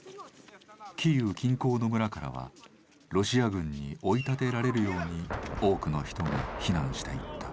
キーウ近郊の村からはロシア軍に追い立てられるように多くの人が避難していった。